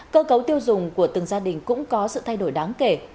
cơ cấu tiêu dùng của từng gia đình cũng có sự thay đổi đáng kể